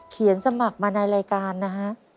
เขียนสมัครมาในรายการนะฮะ